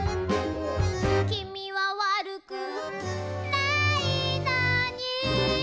「きみはわるくないのに」